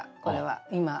これは今。